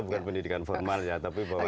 bukan pendidikan formal ya tapi bahwa